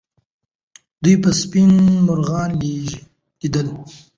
دوی به سپین مرغان لیدل.